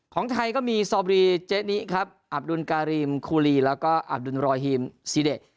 ของไทยก็มีซอบรีเจนิครับอับดุลการีมคูลีแล้วก็อับดุลรอยฮีมซีเด